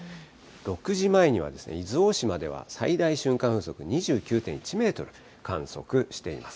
６時前には、伊豆大島では最大瞬間風速２９．１メートル観測しています。